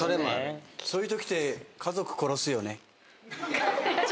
そういうときって家族殺すよね。